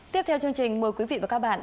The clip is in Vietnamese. tiếp theo chương trình mời quý vị và các bạn